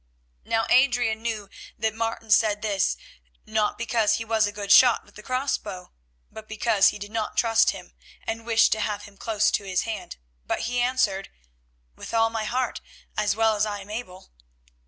Now Adrian knew that Martin said this, not because he was a good shot with the cross bow, but because he did not trust him, and wished to have him close to his hand, but he answered: "With all my heart, as well as I am able."